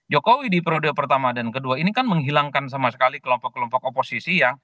jokowi di periode pertama dan kedua ini kan menghilangkan sama sekali kelompok kelompok oposisi yang